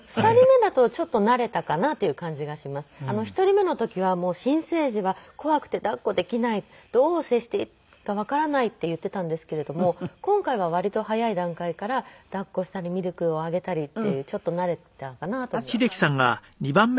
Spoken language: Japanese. １人目の時は新生児は怖くて抱っこできないどう接していいかわからないって言っていたんですけれども今回は割と早い段階から抱っこしたりミルクをあげたりっていうちょっと慣れたかなと思います。